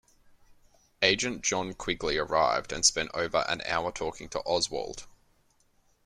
Agent John Quigley arrived and spent over an hour talking to Oswald.